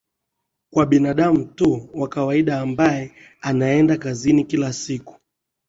kwa binadamu tu wa kawaida ambaye anaenda kazini kila siku